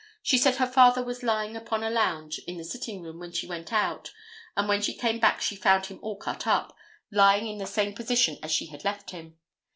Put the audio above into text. She said her father was lying upon a lounge in the sitting room when she went out, and when she came back she found him all cut up, lying in the same position as she had left him.